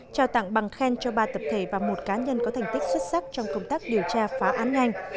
trao tặng bằng khen cho ba tập thể và một cá nhân có thành tích xuất sắc trong công tác điều tra phá án nhanh